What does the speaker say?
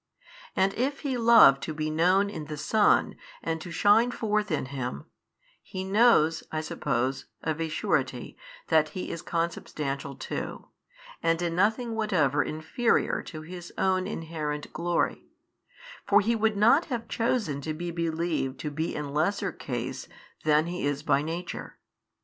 And if He love to be known in the Son and to shine forth in Him, He knows (I suppose) of a surety that He is Consubstantial too, and in nothing whatever inferior to His Own inherent Glory: for He would not have chosen to be believed to be in lesser case than He is by Nature.